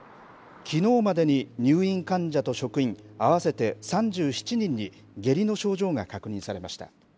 きのうまでに入院患者と職員合わせて３７人に下痢の症状が確認されました。